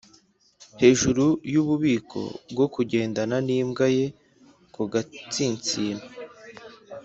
hejuru yububiko bwo kugendana nimbwa ye ku gatsinsino,